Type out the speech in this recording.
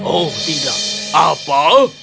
oh tidak apa